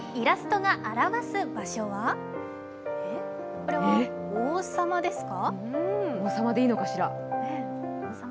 これは王様ですか？